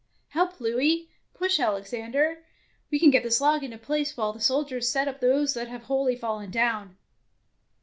"Help, Louis; push, Alexander! We can get this log into place while the soldiers set up those that have wholly fallen down."